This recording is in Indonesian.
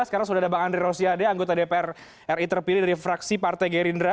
sekarang sudah ada bang andri rosiade anggota dpr ri terpilih dari fraksi partai gerindra